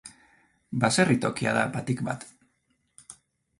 Baserri tokia da, batik bat.